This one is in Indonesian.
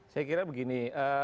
saya kira begini